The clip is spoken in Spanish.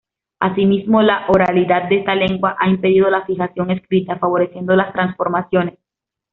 Asimismo, la oralidad de esta lengua ha impedido la fijación escrita, favoreciendo las transformaciones.